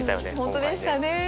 本当でしたね。